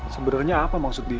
sebenarnya apa maksud dia